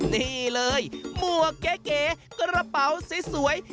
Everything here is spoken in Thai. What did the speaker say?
นี่เลยหมวกเก๋กระเป๋าสวย